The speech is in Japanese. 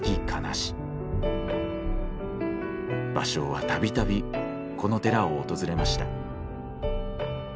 芭蕉は度々この寺を訪れました。